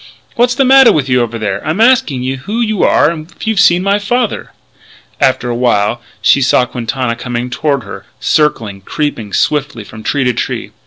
"What's the matter with you over there? I'm asking you who you are and if you've seen my father?" After a while she saw Quintana coming toward her, circling, creeping swiftly from tree to tree.